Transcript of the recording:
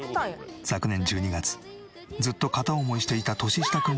昨年１２月ずっと片思いしていた年下くんから告白。